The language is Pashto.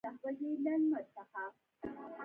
د هيلې خبرې دلته راورسيدې او غلې پاتې شوه